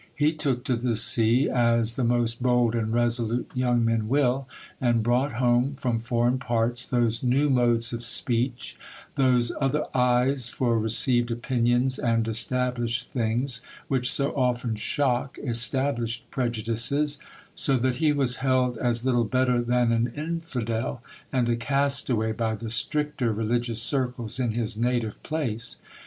He took to the sea, as the most bold and resolute young men will, and brought home from foreign parts those new modes of speech, those other eyes for received opinions and established things, which so often shock established prejudices,—so that he was held as little better than an infidel and a castaway by the stricter religious circles in his native place.